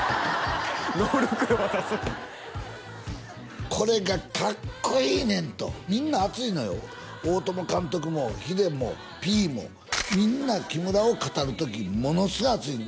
ノールックで渡す「これがかっこいいねん」とみんな熱いのよ大友監督もヒデもピーもみんな木村を語る時ものすごい熱いのよ